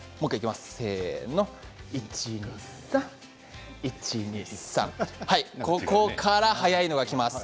１、２、３１、２、３ここから早いのがきます。